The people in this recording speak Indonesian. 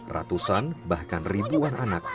ratusan bahkan ribuan anak